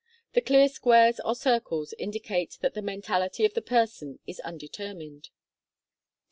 The clear squares or circles indicate that the mentality of the person is undetermined.